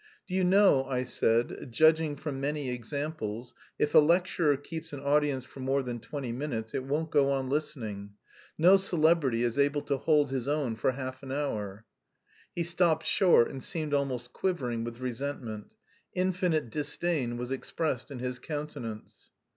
"Do you know," I said, "judging from many examples, if a lecturer keeps an audience for more than twenty minutes it won't go on listening. No celebrity is able to hold his own for half an hour." He stopped short and seemed almost quivering with resentment. Infinite disdain was expressed in his countenance.